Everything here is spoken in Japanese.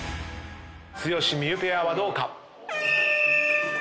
剛・望結ペアはどうか？